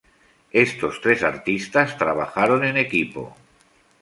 Estos tres artistas trabajaron en equipo.